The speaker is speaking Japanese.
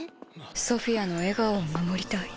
ソフィアの笑顔を守りたい。